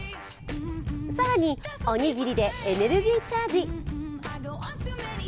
更に、おにぎりでエネルギーチャージ。